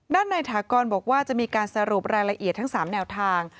ด้านในถากรบอกว่าจะมีการสรุปรายละเอียดทั้ง๓แนวทาง